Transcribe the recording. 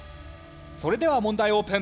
それでは問題オープン。